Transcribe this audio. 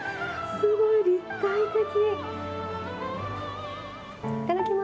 すごい立体的。